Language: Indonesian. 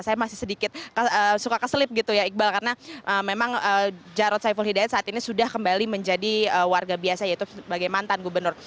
saya masih sedikit suka keselip gitu ya iqbal karena memang jarod saiful hidayat saat ini sudah kembali menjadi warga biasa yaitu sebagai mantan gubernur